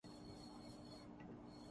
انگریزی کے علاوہ وہ ریاضی بھی پڑھاتا ہے۔